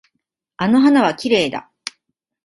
あの花はきれいだ。